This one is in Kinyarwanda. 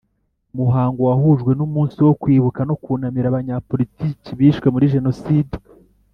Umuhango wahujwe n’umunsi wo Kwibuka no kunamira Abanyapolitiki bishwe muri Jenoside.